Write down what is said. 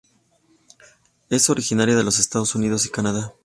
Es originaria de los Estados Unidos y Canadá.